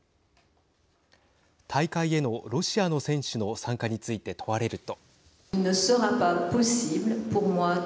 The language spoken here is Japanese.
大会へのロシアの選手の参加について問われると。